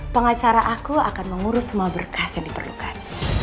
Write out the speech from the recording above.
pengacara aku akan mengurus semua berkas yang diperlukan